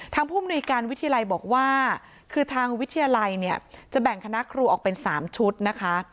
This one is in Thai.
ผู้มนุยการวิทยาลัยบอกว่าคือทางวิทยาลัยเนี่ยจะแบ่งคณะครูออกเป็น๓ชุดนะคะ